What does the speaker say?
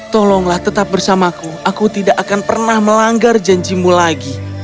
tolonglah tetap bersamaku aku tidak akan pernah melanggar janjimu lagi